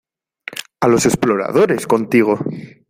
a los exploradores contigo.